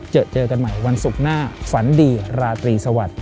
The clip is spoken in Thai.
เจอเจอกันใหม่วันศุกร์หน้าฝันดีราตรีสวัสดิ์